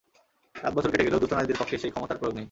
সাত বছর কেটে গেলেও দুস্থ নারীদের পক্ষে সেই ক্ষমতার প্রয়োগ নেই।